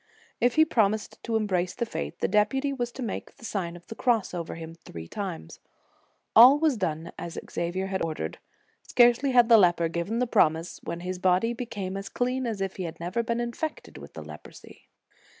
If he promised to embrace the faith, the deputy was to make the Sign of the Cross over him three times. All was done as Xavier had ordered. Scarcely had the leper given the promise, when his body became as clean as if he had never been infected with the leprosy.